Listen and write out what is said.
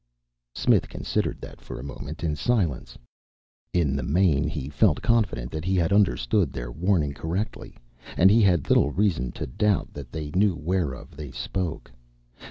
Smith considered that for a moment in silence. In the main he felt confident that he had understood their warning correctly, and he had little reason to doubt that they knew whereof they spoke.